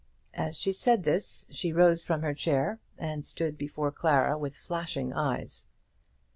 As she said this she rose from her chair, and stood before Clara with flashing eyes.